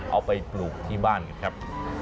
เอาไปหนูกที่บ้านครับ